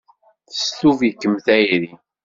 Tesdub-ikem tayri.